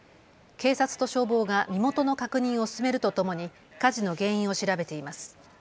警察と消防が身元の確認を進めるとともに火事の原因を調べています。